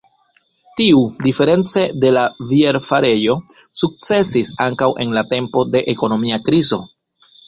Tiu, diference de la bierfarejo, sukcesis ankaŭ en la tempo de ekonomia krizo.